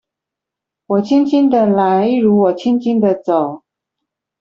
我輕輕地來一如我輕輕的走